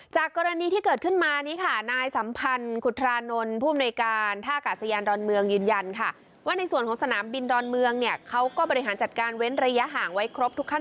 จากกรณีที่เกิดขึ้นมานี้ค่ะ